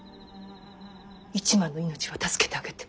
一幡の命は助けてあげて。